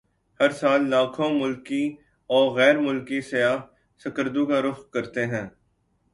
ہر سال لاکھوں ملکی وغیر ملکی سیاح سکردو کا رخ کرتے ہیں